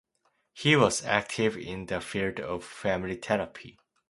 He was active in the field of family therapy.